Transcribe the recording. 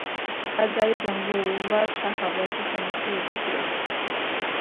ტაძარი დანგრეულა შაჰ-აბასის შემოსევების დროს.